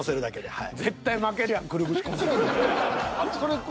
はい。